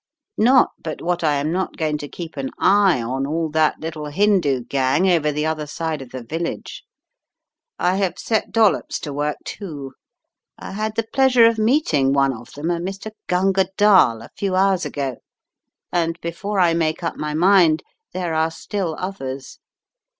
Not but what I am not going to keep an eye on all that little Hindoo gang over the other side of the village. I have set Dollops to work, too. I had the pleasure of meeting one of them, a Mr. Gunga Dall, a few hours ago, and before I make up my mind, there are still others.